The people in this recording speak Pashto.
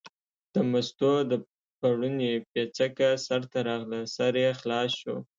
د مستو د پړوني پیڅکه سر ته راغله، سر یې خلاص شو.